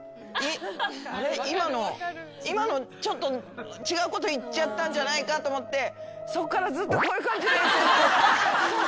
ちょっと違うこと言っちゃったんじゃないかと思ってそっからずっとこういう感じ。